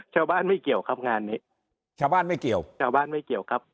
ชาวบ้านไม่เกี่ยวครับงานนี้ชาวบ้านไม่เกี่ยวชาวบ้านไม่เกี่ยวครับ